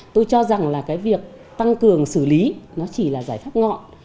tôi cho rằng là cái việc tăng cường xử lý nó chỉ là giải pháp ngọn